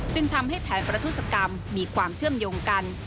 จึงทำให้แผนประทุศกรรมมีความเชื่อมโยงกัน